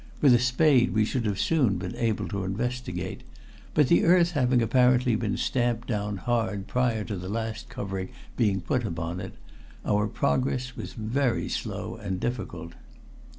With a spade we should have soon been able to investigate, but the earth having apparently been stamped down hard prior to the last covering being put upon it, our progress was very slow and difficult.